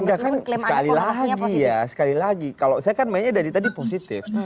enggak kan sekali lagi ya sekali lagi kalau saya kan mainnya dari tadi positif